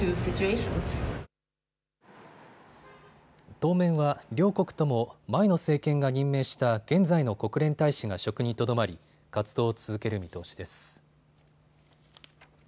当面は両国とも前の政権が任命した現在の国連大使が職にとどまり活動を続ける見通しです。